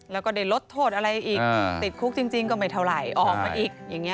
แล้วก็ได้ลดโทษอะไรอีกติดคุกจริงก็ไม่เท่าไหร่ออกมาอีกอย่างนี้